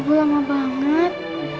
bu lama banget